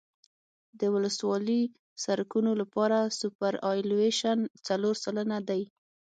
د ولسوالي سرکونو لپاره سوپرایلیویشن څلور سلنه دی